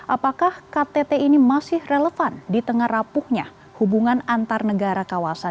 apakah ktt ini masih relevan di tengah rapuhnya hubungan antar negara kawasan